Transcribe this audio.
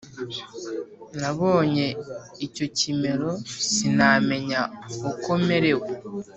nabonye icyo kimero sinamenya uko merewe